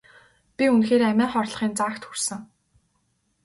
Би үнэхээр амиа хорлохын заагт хүрсэн.